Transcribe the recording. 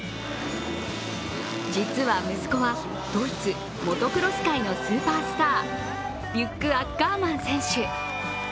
実は、息子はドイツ・モトクロス界のスーパースター、リュック・アッカーマン選手。